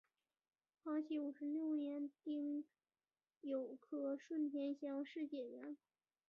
康熙五十六年丁酉科顺天乡试解元。